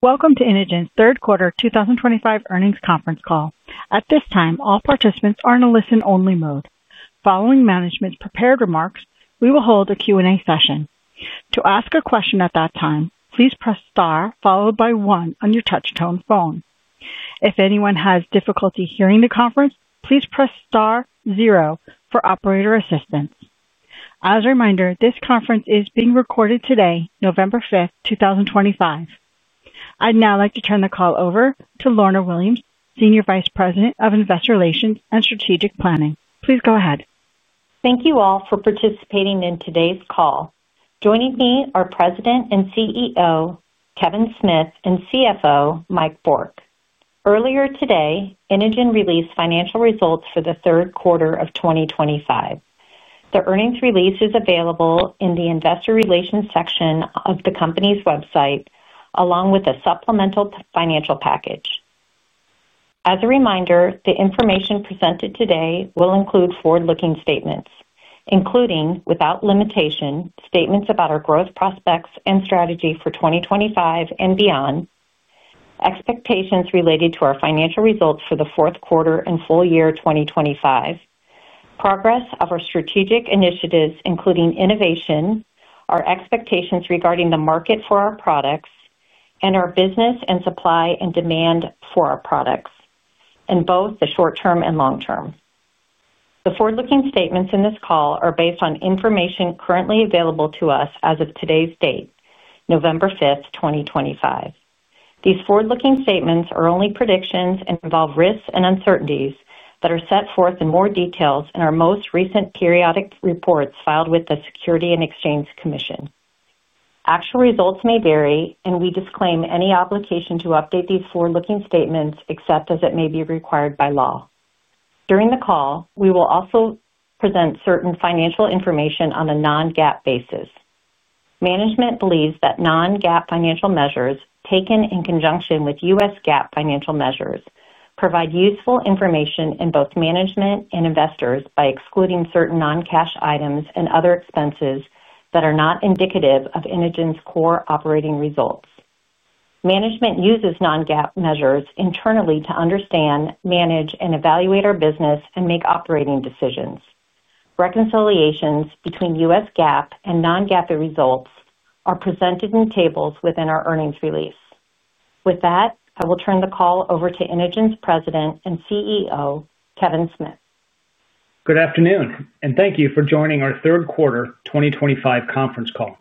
Welcome to Inogen's Third Quarter 2025 Earnings Conference Call. At this time, all participants are in a listen-only mode. Following management's prepared remarks, we will hold a Q&A session. To ask a question at that time, please press star followed by one on your touch-tone phone. If anyone has difficulty hearing the conference, please press star zero for operator assistance. As a reminder, this conference is being recorded today, November 5th, 2025. I'd now like to turn the call over to Lorna Williams, Senior Vice President of Investor Relations and Strategic Planning. Please go ahead. Thank you all for participating in today's call. Joining me are President and CEO Kevin Smith and CFO Mike Bourque. Earlier today, Inogen released financial results for the third quarter of 2025. The earnings release is available in the Investor Relations section of the company's website, along with a supplemental financial package. As a reminder, the information presented today will include forward-looking statements, including, without limitation, statements about our growth prospects and strategy for 2025 and beyond. Expectations related to our financial results for the fourth quarter and full year 2025. Progress of our strategic initiatives, including innovation, our expectations regarding the market for our products, and our business and supply and demand for our products in both the short term and long term. The forward-looking statements in this call are based on information currently available to us as of today's date, November 5th, 2025. These forward-looking statements are only predictions and involve risks and uncertainties that are set forth in more detail in our most recent periodic reports filed with the Securities and Exchange Commission. Actual results may vary, and we disclaim any obligation to update these forward-looking statements except as it may be required by law. During the call, we will also present certain financial information on a non-GAAP basis. Management believes that non-GAAP financial measures taken in conjunction with U.S. GAAP financial measures provide useful information to both management and investors by excluding certain non-cash items and other expenses that are not indicative of Inogen's core operating results. Management uses non-GAAP measures internally to understand, manage, and evaluate our business and make operating decisions. Reconciliations between U.S. GAAP and non-GAAP results are presented in tables within our earnings release. With that, I will turn the call over to Inogen's President and CEO, Kevin Smith. Good afternoon, and thank you for joining our third quarter 2025 conference call.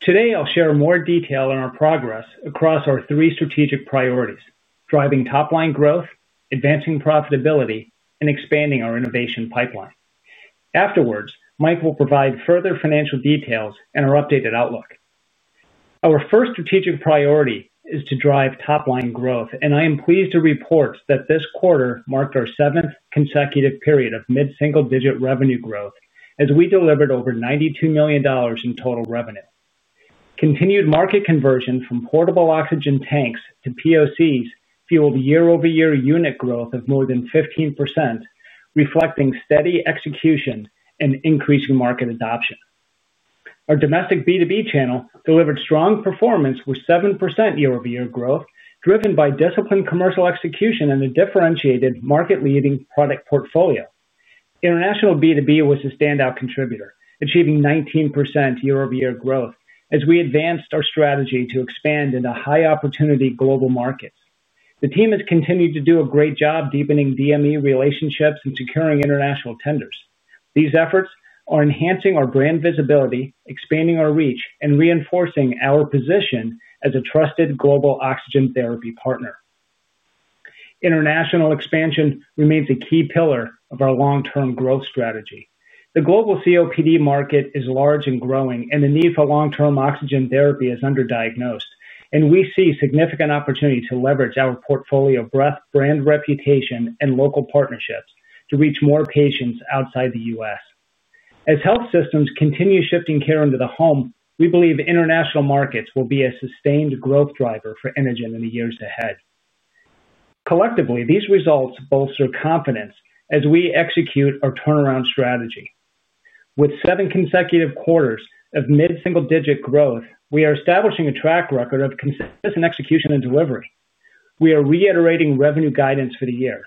Today, I'll share more detail on our progress across our three strategic priorities: driving top-line growth, advancing profitability, and expanding our innovation pipeline. Afterwards, Mike will provide further financial details and our updated outlook. Our first strategic priority is to drive top-line growth, and I am pleased to report that this quarter marked our seventh consecutive period of mid-single-digit revenue growth as we delivered over $92 million in total revenue. Continued market conversion from portable oxygen tanks to POCs fueled year-over-year unit growth of more than 15%, reflecting steady execution and increasing market adoption. Our domestic B2B channel delivered strong performance with 7% year-over-year growth, driven by disciplined commercial execution and a differentiated market-leading product portfolio. International B2B was a standout contributor, achieving 19% year-over-year growth as we advanced our strategy to expand into high-opportunity global markets. The team has continued to do a great job deepening DME relationships and securing international tenders. These efforts are enhancing our brand visibility, expanding our reach, and reinforcing our position as a trusted global oxygen therapy partner. International expansion remains a key pillar of our long-term growth strategy. The global COPD market is large and growing, and the need for long-term oxygen therapy is underdiagnosed, and we see significant opportunity to leverage our portfolio of breadth, brand reputation, and local partnerships to reach more patients outside the U.S. As health systems continue shifting care into the home, we believe international markets will be a sustained growth driver for Inogen in the years ahead. Collectively, these results bolster confidence as we execute our turnaround strategy. With seven consecutive quarters of mid-single-digit growth, we are establishing a track record of consistent execution and delivery. We are reiterating revenue guidance for the year.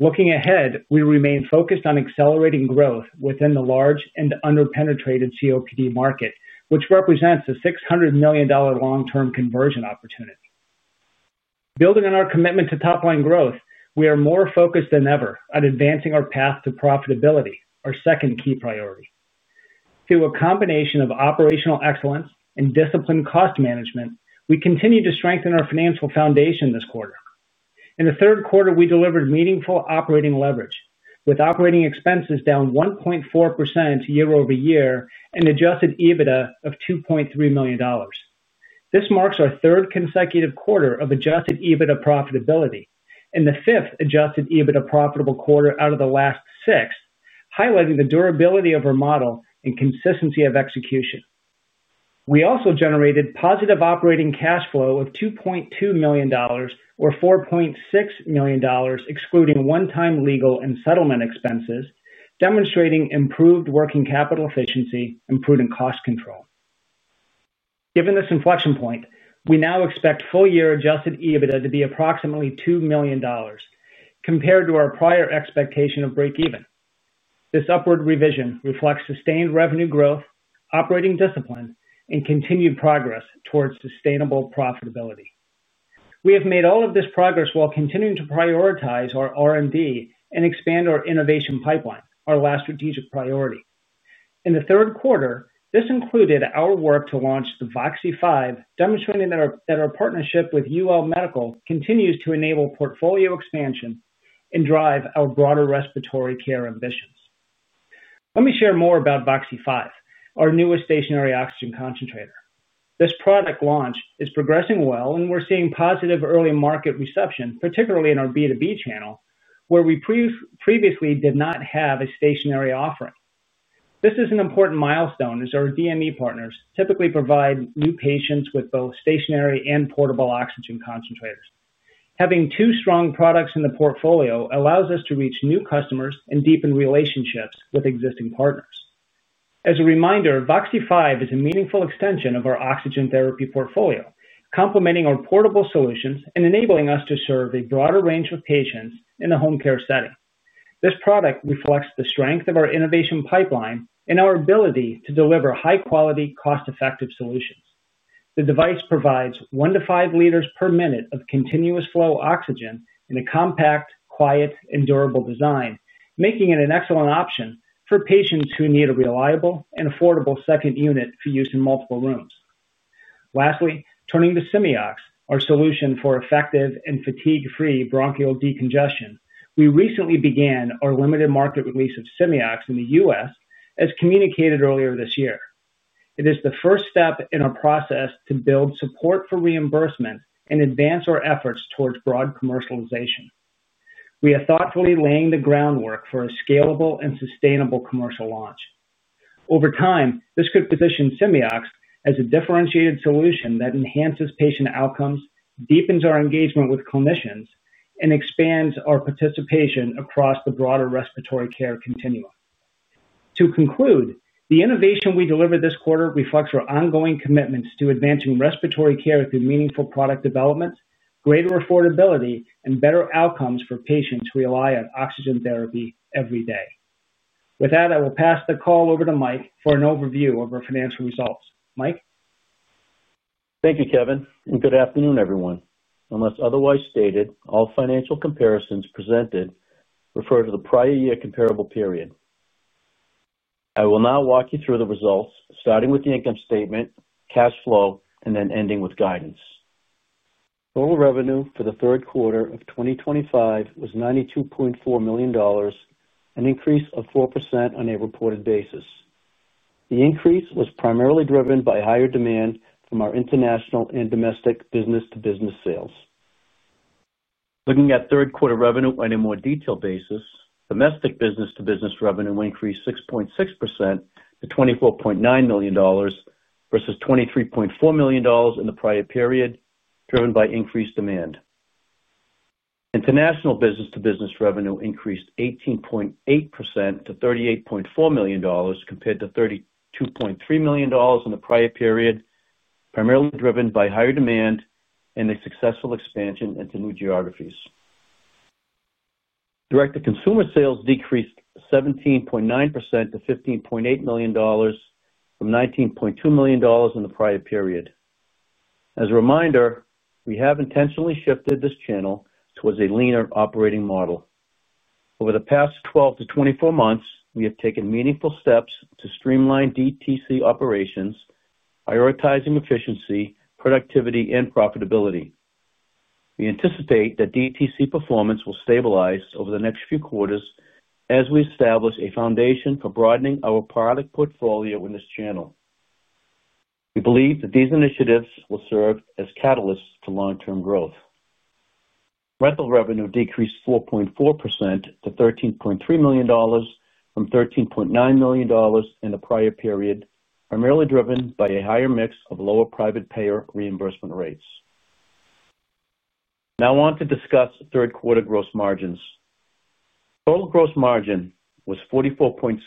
Looking ahead, we remain focused on accelerating growth within the large and under-penetrated COPD market, which represents a $600 million long-term conversion opportunity. Building on our commitment to top-line growth, we are more focused than ever on advancing our path to profitability, our second key priority. Through a combination of operational excellence and disciplined cost management, we continue to strengthen our financial foundation this quarter. In the third quarter, we delivered meaningful operating leverage, with operating expenses down 1.4% year-over-year and adjusted EBITDA of $2.3 million. This marks our third consecutive quarter of adjusted EBITDA profitability and the fifth adjusted EBITDA profitable quarter out of the last six, highlighting the durability of our model and consistency of execution. We also generated positive operating cash flow of $2.2 million, or $4.6 million, excluding one-time legal and settlement expenses, demonstrating improved working capital efficiency and prudent cost control. Given this inflection point, we now expect full-year adjusted EBITDA to be approximately $2 million. Compared to our prior expectation of break-even, this upward revision reflects sustained revenue growth, operating discipline, and continued progress towards sustainable profitability. We have made all of this progress while continuing to prioritize our R&D and expand our innovation pipeline, our last strategic priority. In the third quarter, this included our work to launch the Voxi 5, demonstrating that our partnership with UL Medical continues to enable portfolio expansion and drive our broader respiratory care ambitions. Let me share more about Voxi 5, our newest stationary oxygen concentrator. This product launch is progressing well, and we're seeing positive early market reception, particularly in our B2B channel, where we previously did not have a stationary offering. This is an important milestone as our DME partners typically provide new patients with both stationary and portable oxygen concentrators. Having two strong products in the portfolio allows us to reach new customers and deepen relationships with existing partners. As a reminder, Voxi 5 is a meaningful extension of our oxygen therapy portfolio, complementing our portable solutions and enabling us to serve a broader range of patients in the home care setting. This product reflects the strength of our innovation pipeline and our ability to deliver high-quality, cost-effective solutions. The device provides 1-5 L per minute of continuous flow oxygen in a compact, quiet, and durable design, making it an excellent option for patients who need a reliable and affordable second unit for use in multiple rooms. Lastly, turning to Simeox, our solution for effective and fatigue-free bronchial decongestion, we recently began our limited market release of Simeox in the U.S., as communicated earlier this year. It is the first step in our process to build support for reimbursement and advance our efforts towards broad commercialization. We are thoughtfully laying the groundwork for a scalable and sustainable commercial launch. Over time, this could position Simeox as a differentiated solution that enhances patient outcomes, deepens our engagement with clinicians, and expands our participation across the broader respiratory care continuum. To conclude, the innovation we delivered this quarter reflects our ongoing commitments to advancing respiratory care through meaningful product development, greater affordability, and better outcomes for patients who rely on oxygen therapy every day. With that, I will pass the call over to Mike for an overview of our financial results. Mike. Thank you, Kevin, and good afternoon, everyone. Unless otherwise stated, all financial comparisons presented refer to the prior year comparable period. I will now walk you through the results, starting with the income statement, cash flow, and then ending with guidance. Total revenue for the third quarter of 2025 was $92.4 million, an increase of 4% on a reported basis. The increase was primarily driven by higher demand from our international and domestic business-to-business sales. Looking at third quarter revenue on a more detailed basis, domestic business-to-business revenue increased 6.6% to $24.9 million versus $23.4 million in the prior period, driven by increased demand. International business-to-business revenue increased 18.8% to $38.4 million compared to $32.3 million in the prior period, primarily driven by higher demand and a successful expansion into new geographies. Direct-to-consumer sales decreased 17.9% to $15.8 million from $19.2 million in the prior period. As a reminder, we have intentionally shifted this channel towards a leaner operating model. Over the past 12-24 months, we have taken meaningful steps to streamline DTC operations, prioritizing efficiency, productivity, and profitability. We anticipate that DTC performance will stabilize over the next few quarters as we establish a foundation for broadening our product portfolio in this channel. We believe that these initiatives will serve as catalysts to long-term growth. Rental revenue decreased 4.4% to $13.3 million from $13.9 million in the prior period, primarily driven by a higher mix of lower private payer reimbursement rates. Now I want to discuss third quarter gross margins. Total gross margin was 44.7%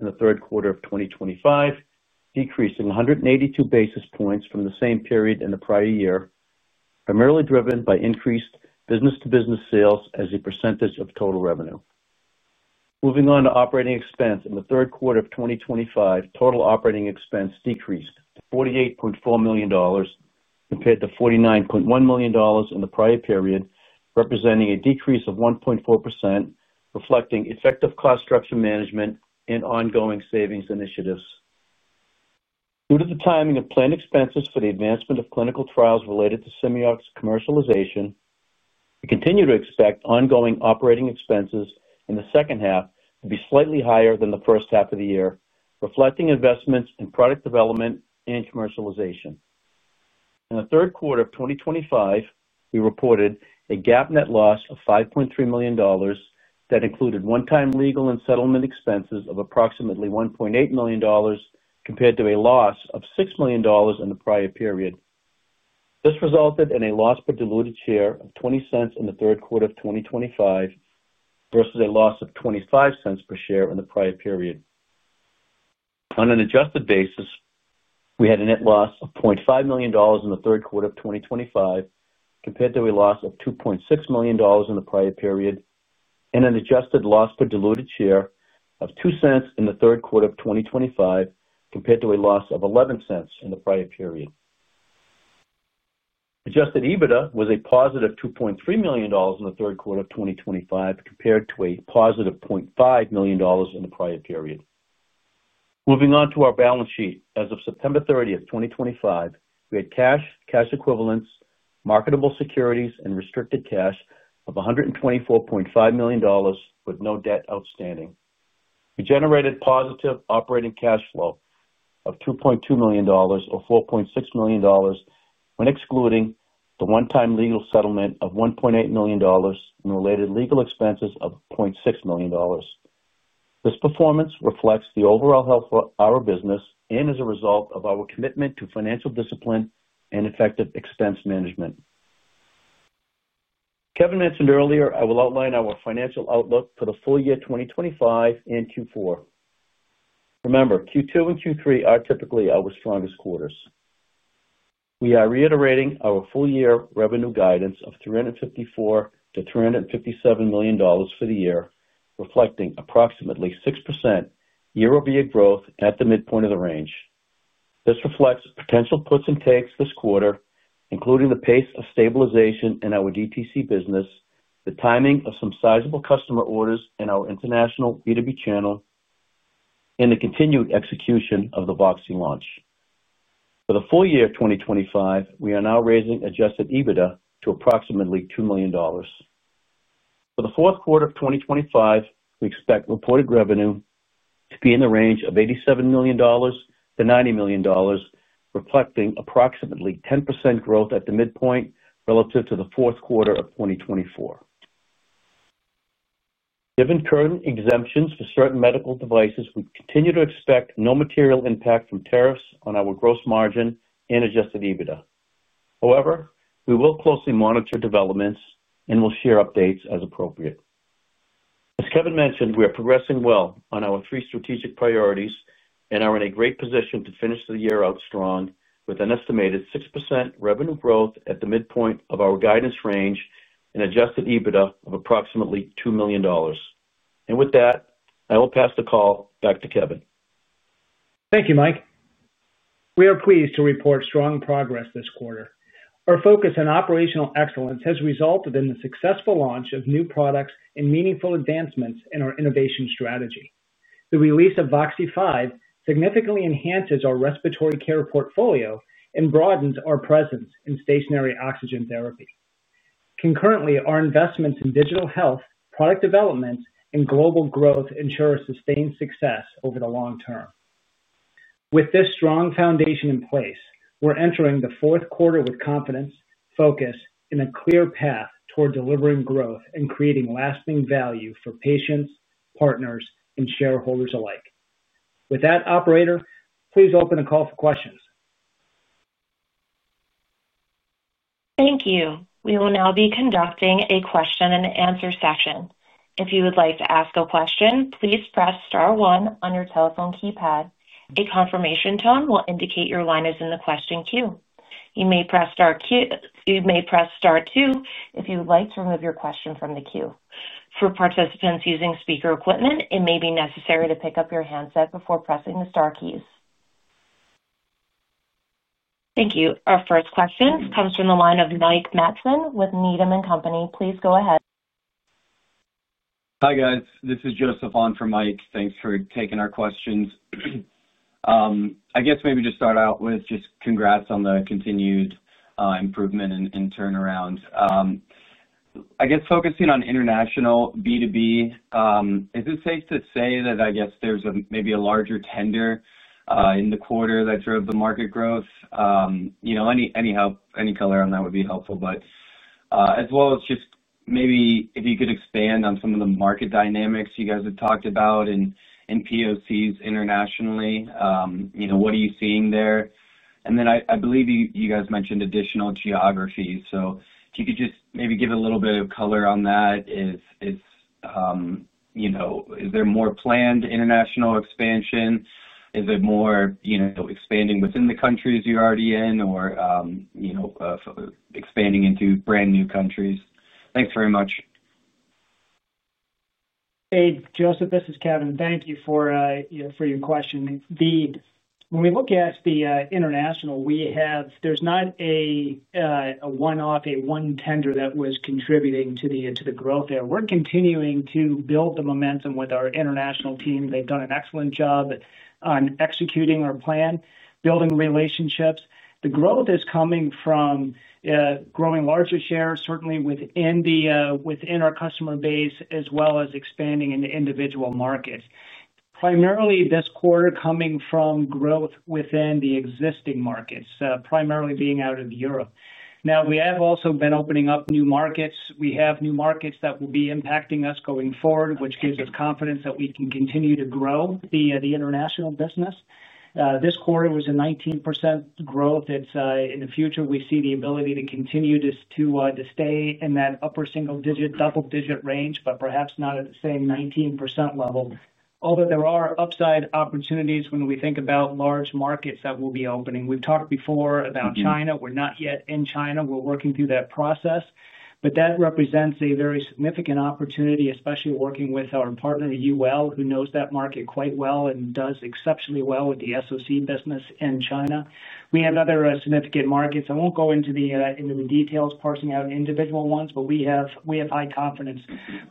in the third quarter of 2025, decreasing 182 basis points from the same period in the prior year, primarily driven by increased business-to-business sales as a percentage of total revenue. Moving on to operating expense, in the third quarter of 2025, total operating expense decreased to $48.4 million. Compared to $49.1 million in the prior period, representing a decrease of 1.4%, reflecting effective cost structure management and ongoing savings initiatives. Due to the timing of planned expenses for the advancement of clinical trials related to Simeox commercialization, we continue to expect ongoing operating expenses in the second half to be slightly higher than the first half of the year, reflecting investments in product development and commercialization. In the third quarter of 2025, we reported a GAAP net loss of $5.3 million. That included one-time legal and settlement expenses of approximately $1.8 million compared to a loss of $6 million in the prior period. This resulted in a loss per diluted share of $0.20 in the third quarter of 2025. Versus a loss of $0.25 per share in the prior period. On an adjusted basis, we had a net loss of $0.5 million in the third quarter of 2025 compared to a loss of $2.6 million in the prior period. An adjusted loss per diluted share of $0.02 in the third quarter of 2025 compared to a loss of $0.11 in the prior period. Adjusted EBITDA was a +$2.3 million in the third quarter of 2025 compared to a +$0.5 million in the prior period. Moving on to our balance sheet, as of September 30th, 2025, we had cash, cash equivalents, marketable securities, and restricted cash of $124.5 million with no debt outstanding. We generated positive operating cash flow of $2.2 million, or $4.6 million when excluding the one-time legal settlement of $1.8 million and related legal expenses of $0.6 million. This performance reflects the overall health of our business and is a result of our commitment to financial discipline and effective expense management. Kevin mentioned earlier, I will outline our financial outlook for the full year 2025 and Q4. Remember, Q2 and Q3 are typically our strongest quarters. We are reiterating our full-year revenue guidance of $354 million-$357 million for the year, reflecting approximately 6% year-over-year growth at the midpoint of the range. This reflects potential puts and takes this quarter, including the pace of stabilization in our DTC business, the timing of some sizable customer orders in our international B2B channel, and the continued execution of the Voxi launch. For the full year of 2025, we are now raising adjusted EBITDA to approximately $2 million. For the fourth quarter of 2025, we expect reported revenue to be in the range of $87 million-$90 million, reflecting approximately 10% growth at the midpoint relative to the fourth quarter of 2024. Given current exemptions for certain medical devices, we continue to expect no material impact from tariffs on our gross margin and adjusted EBITDA. However, we will closely monitor developments and will share updates as appropriate. As Kevin mentioned, we are progressing well on our three strategic priorities and are in a great position to finish the year out strong with an estimated 6% revenue growth at the midpoint of our guidance range and adjusted EBITDA of approximately $2 million. I will pass the call back to Kevin. Thank you, Mike. We are pleased to report strong progress this quarter. Our focus on operational excellence has resulted in the successful launch of new products and meaningful advancements in our innovation strategy. The release of Voxi 5 significantly enhances our respiratory care portfolio and broadens our presence in stationary oxygen therapy. Concurrently, our investments in digital health, product development, and global growth ensure sustained success over the long term. With this strong foundation in place, we're entering the fourth quarter with confidence, focus, and a clear path toward delivering growth and creating lasting value for patients, partners, and shareholders alike. With that, operator, please open the call for questions. Thank you. We will now be conducting a question-and-answer session. If you would like to ask a question, please press star one on your telephone keypad. A confirmation tone will indicate your line is in the question queue. You may press star two if you would like to remove your question from the queue. For participants using speaker equipment, it may be necessary to pick up your handset before pressing the star keys. Thank you. Our first question comes from the line of Mike Matson with Needham & Company. Please go ahead. Hi guys, this is Joseph on for Mike. Thanks for taking our questions. I guess maybe just start out with just congrats on the continued improvement and turnaround. I guess focusing on international B2B. Is it safe to say that I guess there's maybe a larger tender in the quarter that drove the market growth? Any color on that would be helpful, but as well as just maybe if you could expand on some of the market dynamics you guys have talked about and POCs internationally, what are you seeing there? I believe you guys mentioned additional geographies. If you could just maybe give a little bit of color on that. Is there more planned international expansion? Is it more expanding within the countries you're already in or expanding into brand new countries? Thanks very much. Hey, Joseph, this is Kevin. Thank you for your question. When we look at the international, there's not a one-off, a one tender that was contributing to the growth there. We're continuing to build the momentum with our international team. They've done an excellent job on executing our plan, building relationships. The growth is coming from growing larger shares, certainly within our customer base, as well as expanding into individual markets. Primarily this quarter coming from growth within the existing markets, primarily being out of Europe. Now, we have also been opening up new markets. We have new markets that will be impacting us going forward, which gives us confidence that we can continue to grow the international business. This quarter was a 19% growth. In the future, we see the ability to continue to stay in that upper single-digit, double-digit range, but perhaps not at the same 19% level. Although there are upside opportunities when we think about large markets that will be opening. We have talked before about China. We are not yet in China. We are working through that process. That represents a very significant opportunity, especially working with our partner, UL, who knows that market quite well and does exceptionally well with the SoC business in China. We have other significant markets. I will not go into the details, parsing out individual ones, but we have high confidence,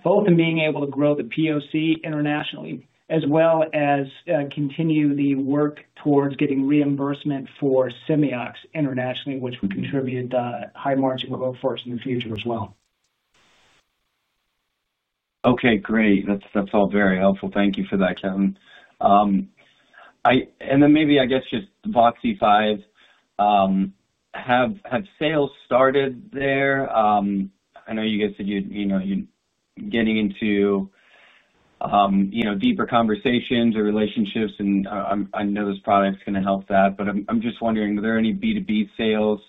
both in being able to grow the POC internationally, as well as continue the work towards getting reimbursement for Simeox internationally, which will contribute to high margin growth for us in the future as well. Okay, great. That's all very helpful. Thank you for that, Kevin. And then maybe I guess just Voxi 5. Have sales started there? I know you guys said you're getting into deeper conversations or relationships, and I know this product's going to help that, but I'm just wondering, are there any B2B sales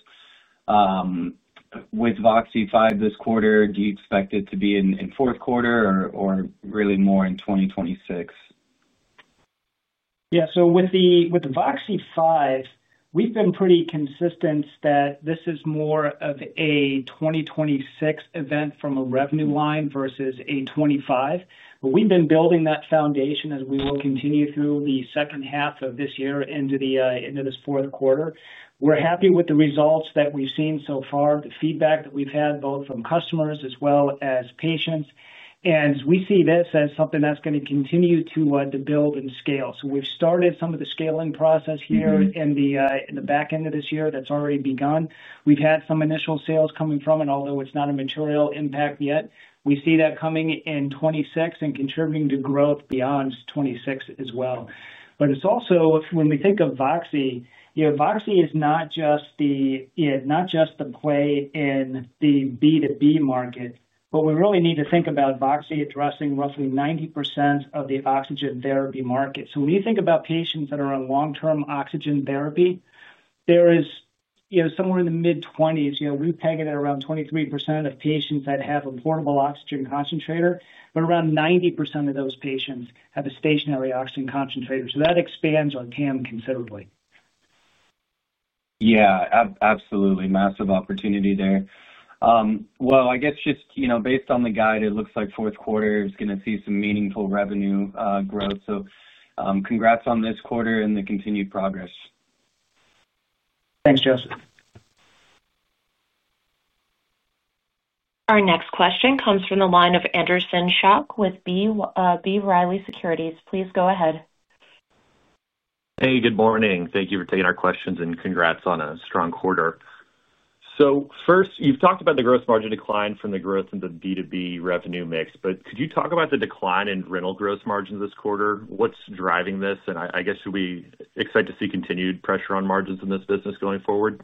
with Voxi 5 this quarter? Do you expect it to be in fourth quarter or really more in 2026? Yeah, so with the Voxi 5, we've been pretty consistent that this is more of a 2026 event from a revenue line versus a 2025. We have been building that foundation as we will continue through the second half of this year into this fourth quarter. We're happy with the results that we've seen so far, the feedback that we've had both from customers as well as patients. We see this as something that's going to continue to build and scale. We have started some of the scaling process here in the back end of this year that's already begun. We've had some initial sales coming from it, although it's not a material impact yet. We see that coming in 2026 and contributing to growth beyond 2026 as well. When we think of Voxi, Voxi is not just the. Play in the B2B market, but we really need to think about Voxi addressing roughly 90% of the oxygen therapy market. When you think about patients that are on long-term oxygen therapy, there is somewhere in the mid-20s. We've targeted around 23% of patients that have a portable oxygen concentrator, but around 90% of those patients have a stationary oxygen concentrator. That expands our TAM considerably. Yeah, absolutely. Massive opportunity there. I guess just based on the guide, it looks like fourth quarter is going to see some meaningful revenue growth. So congrats on this quarter and the continued progress. Thanks, Joseph. Our next question comes from the line of Anderson Schock with B. Riley Securities. Please go ahead. Hey, good morning. Thank you for taking our questions and congrats on a strong quarter. First, you've talked about the gross margin decline from the growth in the B2B revenue mix, but could you talk about the decline in rental gross margins this quarter? What's driving this? I guess we'll be excited to see continued pressure on margins in this business going forward.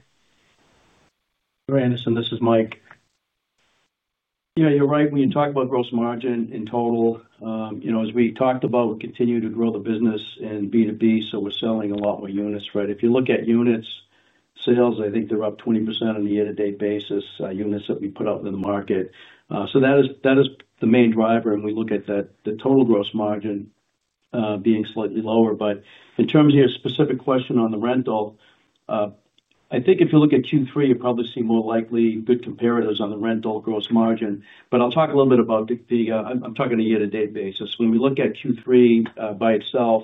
Hi, Anderson. This is Mike. You're right. When you talk about gross margin in total, as we talked about, we continue to grow the business in B2B, so we're selling a lot more units, right? If you look at unit sales, I think they're up 20% on a year-to-date basis, units that we put out in the market. That is the main driver, and we look at the total gross margin being slightly lower. In terms of your specific question on the rental, I think if you look at Q3, you'll probably see more likely good comparators on the rental gross margin. I'll talk a little bit about the—I'm talking on a year-to-date basis. When we look at Q3 by itself,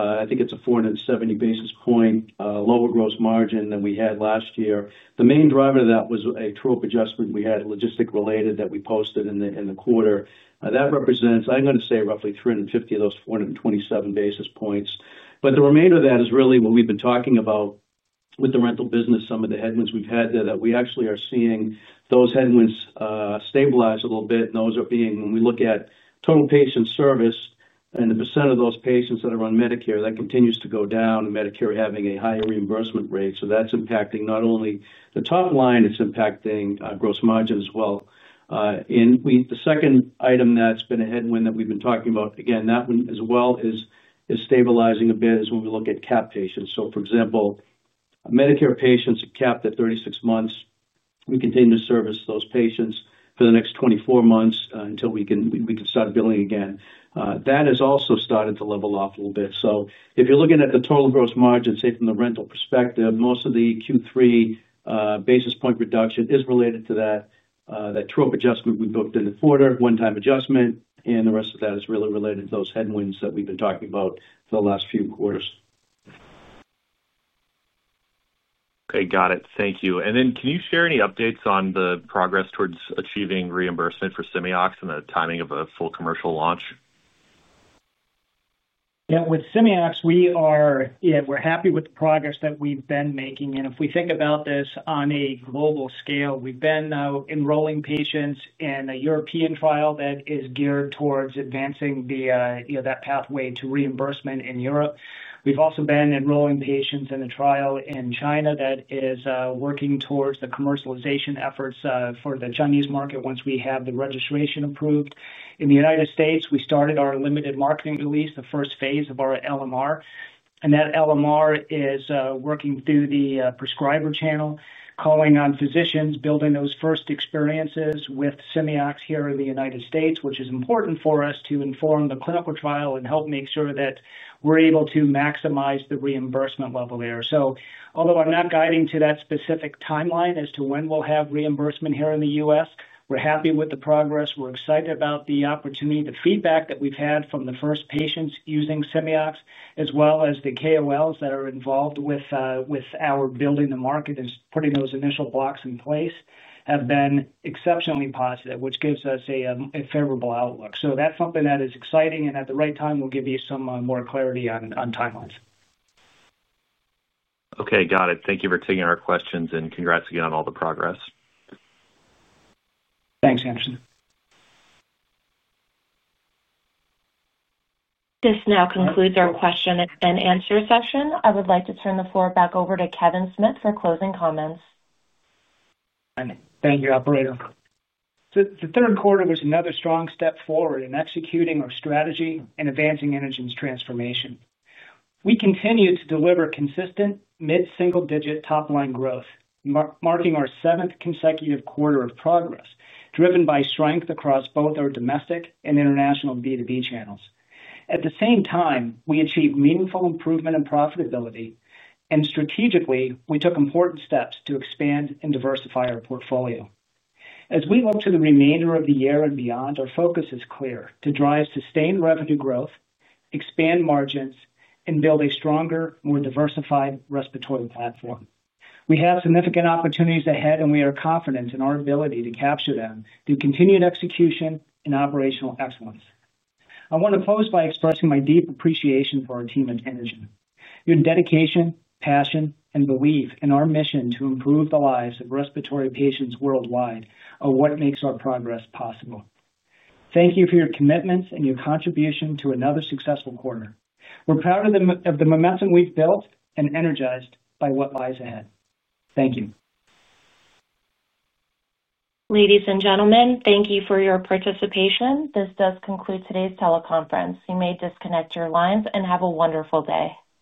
I think it's a 470 basis point lower gross margin than we had last year. The main driver of that was a trope adjustment we had logistic-related that we posted in the quarter. That represents, I'm going to say, roughly 350 of those 427 basis points. The remainder of that is really what we've been talking about. With the rental business, some of the headwinds we've had there, we actually are seeing those headwinds stabilize a little bit. Those are being—when we look at total patient service and the percent of those patients that are on Medicare, that continues to go down, and Medicare having a higher reimbursement rate. That's impacting not only the top line, it's impacting gross margin as well. The second item that's been a headwind that we've been talking about, again, that one as well is stabilizing a bit is when we look at cap patients. For example, Medicare patients capped at 36 months. We continue to service those patients for the next 24 months until we can start billing again. That has also started to level off a little bit. If you're looking at the total gross margin, say from the rental perspective, most of the Q3 basis point reduction is related to that. Trope adjustment we booked in the quarter, one-time adjustment, and the rest of that is really related to those headwinds that we've been talking about for the last few quarters. Okay, got it. Thank you. Can you share any updates on the progress towards achieving reimbursement for Simeox and the timing of a full commercial launch? Yeah, with Simeox, we're happy with the progress that we've been making. If we think about this on a global scale, we've been enrolling patients in a European trial that is geared towards advancing that pathway to reimbursement in Europe. We've also been enrolling patients in a trial in China that is working towards the commercialization efforts for the Chinese market once we have the registration approved. In the United States, we started our limited marketing release, the first phase of our LMR. That LMR is working through the prescriber channel, calling on physicians, building those first experiences with Simeox here in the United States, which is important for us to inform the clinical trial and help make sure that we're able to maximize the reimbursement level there. Although I'm not guiding to that specific timeline as to when we'll have reimbursement here in the U.S., we're happy with the progress. We're excited about the opportunity, the feedback that we've had from the first patients using Simeox, as well as the KOLs that are involved with. Our building the market and putting those initial blocks in place have been exceptionally positive, which gives us a favorable outlook. That's something that is exciting, and at the right time, we'll give you some more clarity on timelines. Okay, got it. Thank you for taking our questions, and congrats again on all the progress. Thanks, Anderson. This now concludes our question and answer session. I would like to turn the floor back over to Kevin Smith for closing comments. Thank you, operator. The third quarter was another strong step forward in executing our strategy and advancing Inogen's transformation. We continue to deliver consistent mid-single-digit top-line growth, marking our seventh consecutive quarter of progress, driven by strength across both our domestic and international B2B channels. At the same time, we achieved meaningful improvement in profitability, and strategically, we took important steps to expand and diversify our portfolio. As we look to the remainder of the year and beyond, our focus is clear: to drive sustained revenue growth, expand margins, and build a stronger, more diversified respiratory platform. We have significant opportunities ahead, and we are confident in our ability to capture them through continued execution and operational excellence. I want to close by expressing my deep appreciation for our team at Inogen. Your dedication, passion, and belief in our mission to improve the lives of respiratory patients worldwide are what makes our progress possible. Thank you for your commitments and your contribution to another successful quarter. We're proud of the momentum we've built and energized by what lies ahead. Thank you. Ladies and gentlemen, thank you for your participation. This does conclude today's teleconference. You may disconnect your lines and have a wonderful day.